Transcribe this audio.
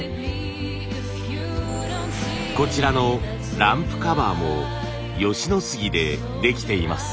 こちらのランプカバーも吉野杉でできています。